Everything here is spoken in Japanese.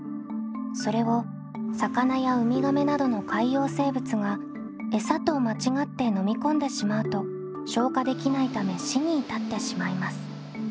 それを魚やウミガメなどの海洋生物が餌と間違って飲み込んでしまうと消化できないため死に至ってしまいます。